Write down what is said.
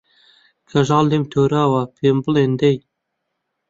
کەژاڵ لێم تۆراوە پێی بڵێن دەی